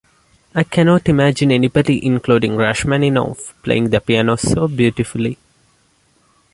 I cannot imagine anybody, including Rachmaninoff, playing the piano so beautifully.